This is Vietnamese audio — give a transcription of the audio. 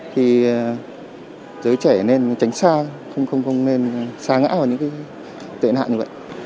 thì giới trẻ nên tránh xa không nên xa ngã vào những cái tệ nạn như vậy